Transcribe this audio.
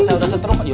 saya udah setruk